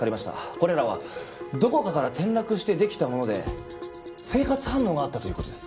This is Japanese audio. これらはどこかから転落して出来たもので生活反応があったという事です。